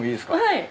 はい。